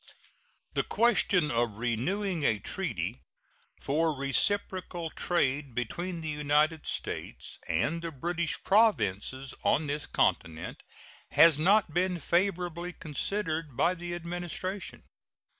The question of renewing a treaty for reciprocal trade between the United States and the British Provinces on this continent has not been favorably considered by the Administration.